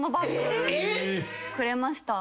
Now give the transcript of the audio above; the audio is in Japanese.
くれました。